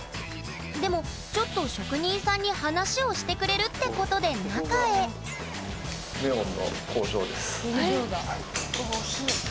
でもちょっと職人さんに話をしてくれるってことで中へ工場だ。